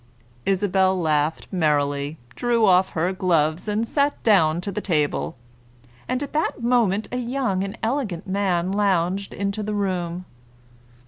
Isabel laughed merrily, drew off her gloves, and sat down to the table; and at that moment a young and elegant man lounged into the room.